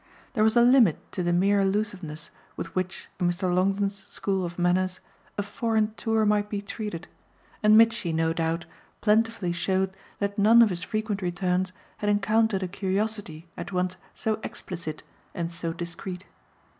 There was a limit to the mere allusiveness with which, in Mr. Longdon's school of manners, a foreign tour might be treated, and Mitchy, no doubt, plentifully showed that none of his frequent returns had encountered a curiosity at once so explicit and so discreet.